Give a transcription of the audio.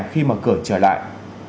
khi mở cửa trở lại